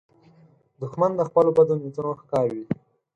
دښمن د خپلو بدو نیتونو ښکار وي